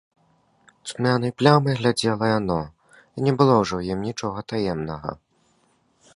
Цьмянай плямай глядзела яно, і не было ўжо ў ім нічога таемнага.